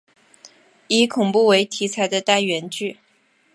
以恐怖为题材的单元剧。